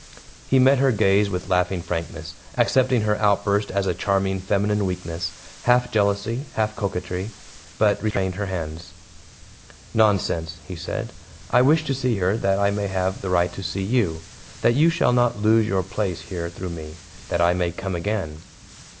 He met her gaze with laughing frankness, accepting her outburst as a charming feminine weakness, half jealousy, half coquetry but retained her hands. "Nonsense," he said. "I wish to see her that I may have the right to see you that you shall not lose your place here through me; that I may come again."